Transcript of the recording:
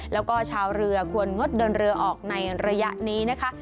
แล้วก็ชาวเรือควรงดเดินเรือออกในระยะนี้นะคะ